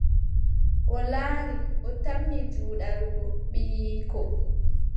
O laari, o tammi juɗal goo, ɓiyiiko ;